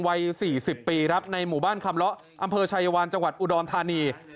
วัย๔๐ปีครับในหมู่บ้านคำเลาะอำเภอชายวานจังหวัดอุดรธานี